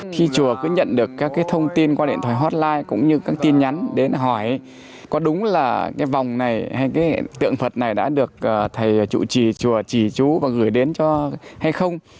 khi chùa cứ nhận được các thông tin qua điện thoại hotline cũng như các tin nhắn đến hỏi có đúng là cái vòng này hay cái tượng phật này đã được thầy chùa trí chú và gửi đến cho hay không